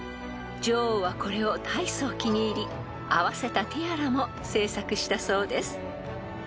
［女王はこれを大層気に入りあわせたティアラも制作したそうです］